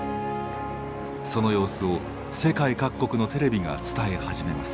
その様子を世界各国のテレビが伝え始めます。